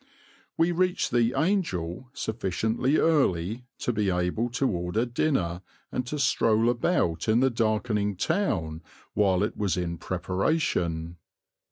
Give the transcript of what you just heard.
We reached the "Angel" sufficiently early to be able to order dinner and to stroll about in the darkening town while it was in preparation.